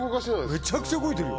めちゃくちゃ動いてるよ！